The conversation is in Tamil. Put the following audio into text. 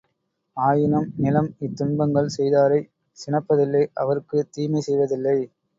ஆயினும் நிலம் இத்துன்பங்கள் செய்தாரைச் சினப்பதில்லை அவருக்குத் தீமை செய்வதில்லை.